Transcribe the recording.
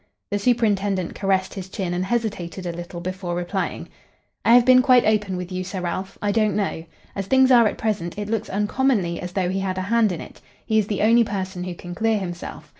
The superintendent caressed his chin and hesitated a little before replying. "I have been quite open with you, Sir Ralph. I don't know. As things are at present, it looks uncommonly as though he had a hand in it. He is the only person who can clear himself.